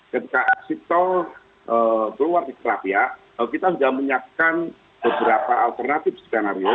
ketika exit tol keluar di kerapia kita sudah menyiapkan beberapa alternatif skenario